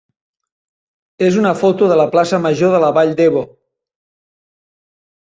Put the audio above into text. és una foto de la plaça major de la Vall d'Ebo.